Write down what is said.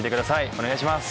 お願いします。